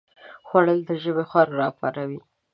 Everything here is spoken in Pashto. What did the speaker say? خوړل د ژبې خوند راپاروي